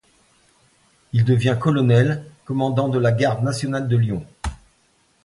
Il devient colonel commandant de la garde nationale de Lyon.